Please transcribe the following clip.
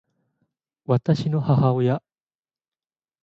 私の母親